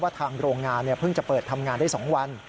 ทางโรงงานเพิ่งจะเปิดทำงานได้๒วัน